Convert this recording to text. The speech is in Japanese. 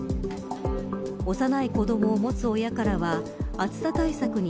幼い子どもを持つ親からは暑さ対策に